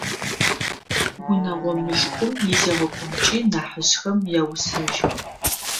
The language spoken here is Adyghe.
Унэгъо мылъкум изегъэкӏонкӏи нахьыжъхэм яусэжьых.